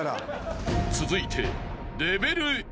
［続いて］